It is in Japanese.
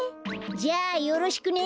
じゃあよろしくね。